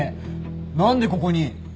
何でここに。